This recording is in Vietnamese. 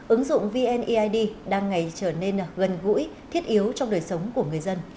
ứng dụng vneid đang ngày trở nên gần gũi thiết yếu trong đời sống của người dân